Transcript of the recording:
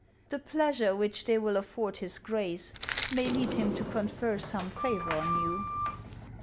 " The pleasure which they will afford his Grace may lead him to confer some favor on you."